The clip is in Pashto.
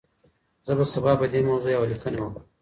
زه به سبا په دې موضوع يوه ليکنه وکړم.